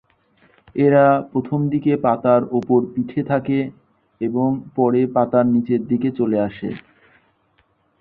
এরা প্রথমদিকে পাতার ওপর পিঠে থাকে এবং পরে পাতার নিচের দিকে চলে আসে।